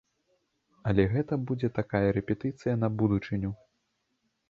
Але гэта будзе такая рэпетыцыя на будучыню.